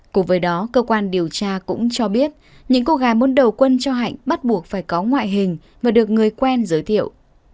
cùng với đó cơ quan điều tra cũng cho biết những cô gái muốn đầu quân cho hạnh bắt buộc phải có ngoại hình và được người quen giới thiệu